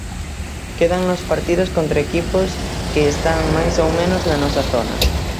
Quédannos partidos contra equipos que están máis ou menos na nosa zona.